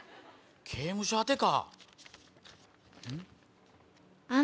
刑務所宛てか。